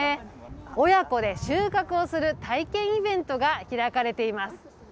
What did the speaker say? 親子で収穫をする体験イベントが開かれています。